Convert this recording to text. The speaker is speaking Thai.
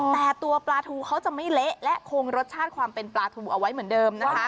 แต่ตัวปลาทูเขาจะไม่เละและคงรสชาติความเป็นปลาทูเอาไว้เหมือนเดิมนะคะ